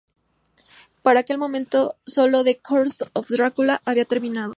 Para aquel momento, solo "The Curse Of Dracula" había terminado.